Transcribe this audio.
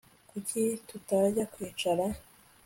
Kuki tutajya kwicara